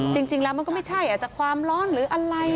จริงแล้วมันก็ไม่ใช่อาจจะความร้อนหรืออะไร